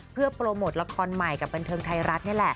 เพื่อโปรโมทละครใหม่กับบันเทิงไทยรัฐนี่แหละ